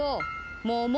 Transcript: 桃。